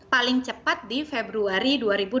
paling cepat di februari